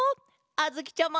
あづきちゃま！